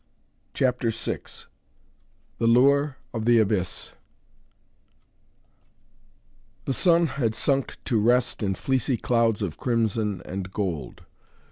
CHAPTER VI THE LURE OF THE ABYSS The sun had sunk to rest in fleecy clouds of crimson and gold.